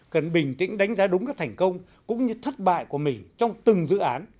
cần bình tĩnh đánh giá đúng các thành công cũng như thất bại của mình trong từng dự án